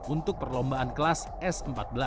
untuk perlombaan kelas s empat belas